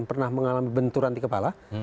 pernah mengalami benturan di kepala